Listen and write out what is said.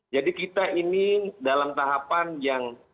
jadi kita ini dalam tahapan yang